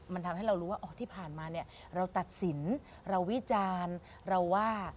มันทำให้เรารู้ว่าอ๋อที่ผ่านมาเนี่ยเราตัดสินเราวิจารณ์เราว่า